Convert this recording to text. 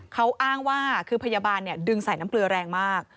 เขาอ้างว่าคือพยาบาลดึงใส่น้ำเกลือแรงมาก